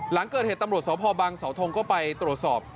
หลังเกิดเหตุตำรวจสพบังเสาทงก็ไปตรวจสอบ